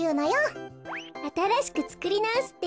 あたらしくつくりなおすっていうことよ。